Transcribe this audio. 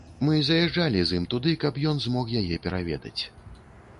Мы заязджалі з ім туды, каб ён змог яе пераведаць.